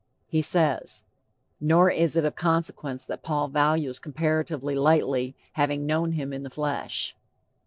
He says: "Nor is it of consequence that Paul values comparatively lightly, having known him in the flesh."